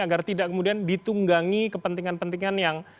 agar tidak kemudian ditunggangi kepentingan pentingan yang